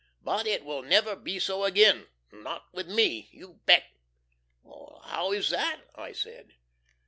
But it will never be so agin, not with ME, you bet." "How is that?" I said.